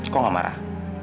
kok gak marah